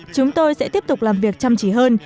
chúng tôi sẽ tiếp tục làm việc chăm chỉ hơn